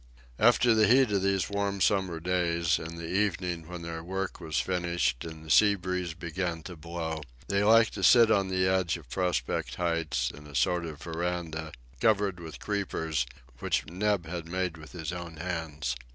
After the heat of these warm summer days, in the evening when their work was finished and the sea breeze began to blow, they liked to sit on the edge of Prospect Heights, in a sort of veranda, covered with creepers, which Neb had made with his own hands.